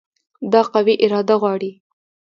دا قوي اراده غواړي.